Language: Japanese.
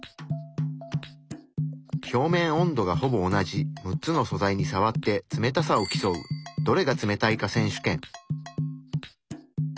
表面温度がほぼ同じ６つの素材にさわって冷たさを競う「どれが冷たいか選手権」。